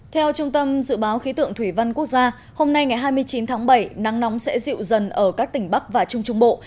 theo trung tâm dự báo khí tượng thủy văn quốc gia hôm nay ngày hai mươi chín tháng bảy nắng nóng sẽ dịu dần ở các tỉnh bắc và trung trung bộ